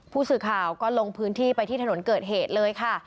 ผู้สื่อข่าวก็ลงพื้นที่ไปที่ถนนเกิดเหตุเลยค่ะ